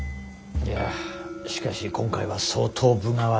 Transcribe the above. いやしかし今回は相当分が悪い。